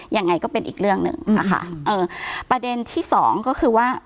ยังไงก็เป็นอีกเรื่องนึงประเด็นที่สองก็คือว่า